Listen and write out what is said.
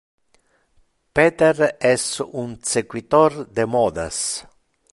Peter es un sequitor de modas.